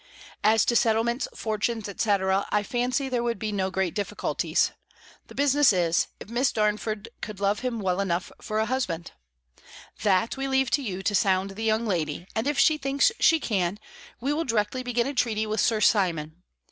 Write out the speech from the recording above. "As to settlements, fortunes, &c. I fancy there would be no great difficulties. The business is, if Miss Darnford could love him well enough for a husband? That we leave you to sound the young lady; and if she thinks she can, we will directly begin a treaty with Sir Simon.